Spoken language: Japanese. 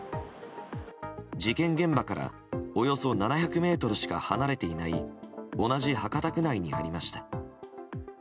事件現場からおよそ７００ｍしか離れていない同じ博多区内にありました。